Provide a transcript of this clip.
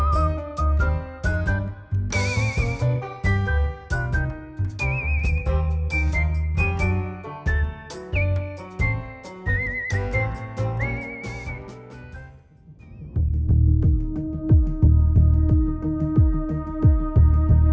กูรอได้ไม่ปลื้ออยู่หน้าบ้านนี้แหละ